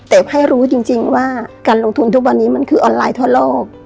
แต่ไพ่รู้จริงว่าการลงทุนทุกวันนี้มันคือออนไลน์ทั่วโลก